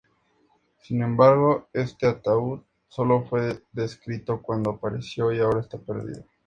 Sin embargo, este ataúd solo fue descrito cuando apareció y ahora está perdido.